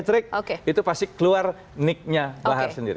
alat pembaca kita biometrik itu pasti keluar nick nya bahar sendiri